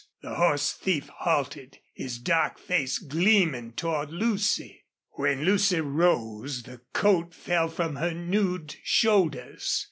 The horse thief halted, his dark face gleaming toward Lucy. When Lucy rose the coat fell from her nude shoulders.